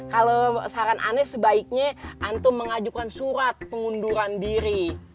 kalo saran ane sebaiknya antum mengajukan surat pengunduran diri